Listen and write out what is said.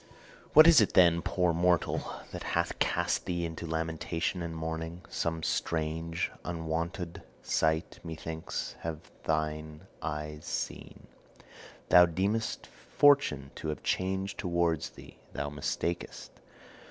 'What is it, then, poor mortal, that hath cast thee into lamentation and mourning? Some strange, unwonted sight, methinks, have thine eyes seen. Thou deemest Fortune to have changed towards thee; thou mistakest.